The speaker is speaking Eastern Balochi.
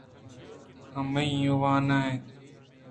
آ من ءَ وانین ایت۔